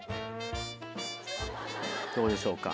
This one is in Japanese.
どうでしょうか。